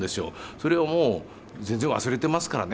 それをもう全然忘れてますからね